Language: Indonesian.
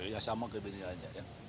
ya sama kayak begini aja ya